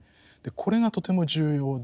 これがとても重要で。